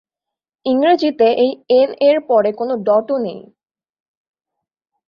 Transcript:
ইংরেজিতে এই এন-এর পরে কোন ডট-ও নেই।